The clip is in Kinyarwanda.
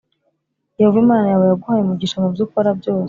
yehova imana yawe yaguhaye umugisha mu byo ukora byose